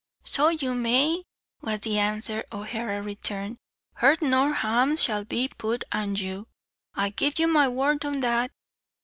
"So you may," was the answer O'Hara returned. "Hurt nor harm shall not be put an you; I give you my word o' that."